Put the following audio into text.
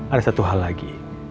ada satu hal lagi